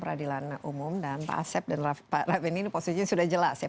peradilan umum dan pak asep dan pak raffendi ini posisinya sudah jelas ya